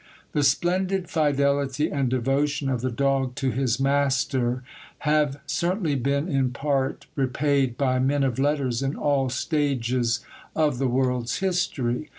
The splendid fidelity and devotion of the dog to his master have certainly been in part repaid by men of letters in all stages of the world's history.